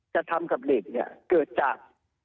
จะทำกับเด็กเกิดจาก